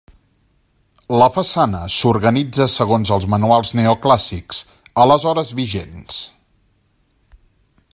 La façana s'organitza segons els manuals neoclàssics, aleshores vigents.